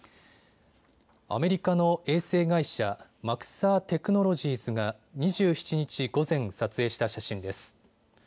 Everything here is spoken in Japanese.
アメリカの衛星会社マクサー・テクノロジーズが２７日午前、撮影した写真です。